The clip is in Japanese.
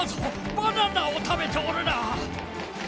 バナナをたべておるな！